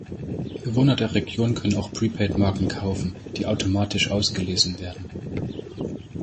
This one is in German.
Bewohner der Region können auch Prepaid-Marken kaufen, die automatisch ausgelesen werden.